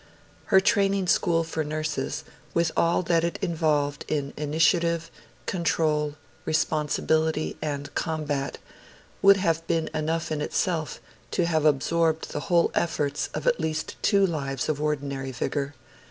Her training, school for nurses, with all that it involved in initiative, control, responsibillity, and combat, would have been enough in itself to have absorbed the whole efforts of at least two lives of ordinary vigour.